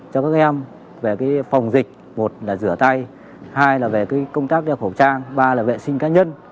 cho các em về phòng dịch một là rửa tay hai là về công tác đeo khẩu trang ba là vệ sinh cá nhân